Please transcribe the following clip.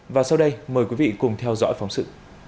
và sau đây mời quý vị cùng theo dõi phóng sự